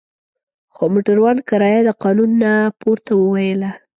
خو موټروان کرایه د قانون نه پورته وویله.